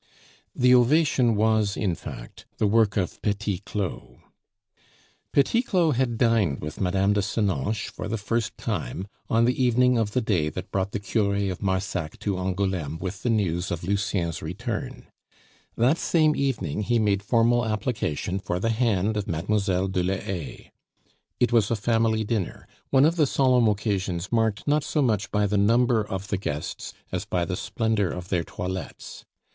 The ovation was, in fact, the work of Petit Claud. Petit Claud had dined with Mme. de Senonches, for the first time, on the evening of the day that brought the cure of Marsac to Angouleme with the news of Lucien's return. That same evening he made formal application for the hand of Mlle. de la Haye. It was a family dinner, one of the solemn occasions marked not so much by the number of the guests as by the splendor of their toilettes.